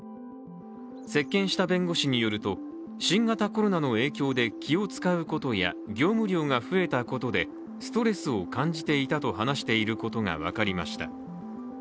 接見した弁護士によると、新型コロナの影響で気を使うことや業務量が増えたことで、ストレスを感じていたと話していることが分かりました。